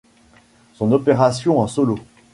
Son opération en solo.